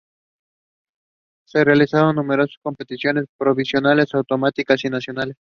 Se realizan numerosas competiciones provinciales, autonómicas y nacionales.